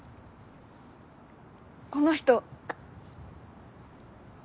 この人。